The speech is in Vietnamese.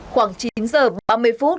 khoảng chín giờ ba mươi phút